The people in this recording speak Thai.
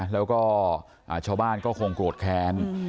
แล้วก็ชาวบ้านก็คงโกรธแค้น